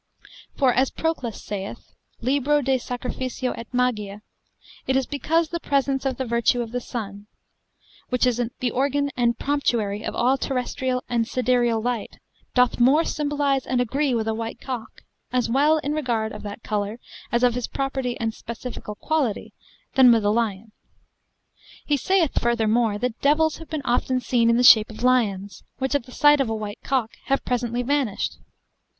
For, as Proclus saith, Libro de Sacrificio et Magia, it is because the presence of the virtue of the sun, which is the organ and promptuary of all terrestrial and sidereal light, doth more symbolize and agree with a white cock, as well in regard of that colour, as of his property and specifical quality, than with a lion. He saith, furthermore, that devils have been often seen in the shape of lions, which at the sight of a white cock have presently vanished.